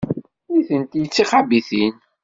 Nitenti d tixabitin.